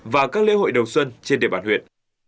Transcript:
và các lễ hội đầu xuân trên địa bàn huyện